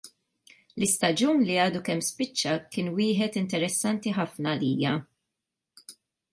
L-istaġun li għadu kemm spiċċa kien wieħed interessanti ħafna għalija.